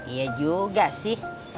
iya juga sih